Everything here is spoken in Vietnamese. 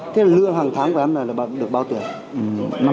thế lương hàng tháng của em là được bao tiền